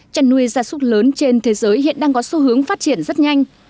chăn nuôi gia súc lớn trên thế giới hiện đang có xu hướng phát triển rất nhanh